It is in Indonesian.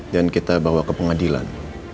dan kita bawa ke pengadilan